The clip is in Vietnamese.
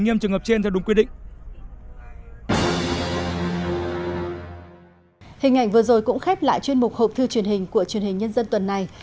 hình ảnh vừa rồi cũng khép lại chuyên mục hộp thư truyền hình của truyền hình nhân dân tuần này